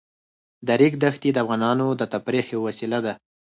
د ریګ دښتې د افغانانو د تفریح یوه وسیله ده.